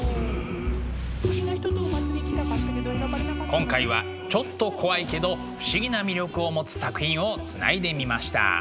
今回はちょっと怖いけど不思議な魅力を持つ作品をつないでみました。